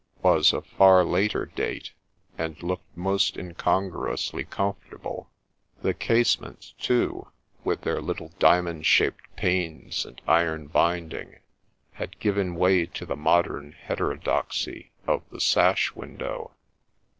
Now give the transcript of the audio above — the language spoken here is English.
was of far later date, and looked most incongruously comfortable ; the casements, too, with their little diamond shaped panes and iron binding, had given way to the modern heterodoxy of the sash window.